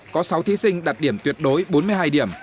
có sáu thí sinh đạt điểm tuyệt đối bốn mươi hai điểm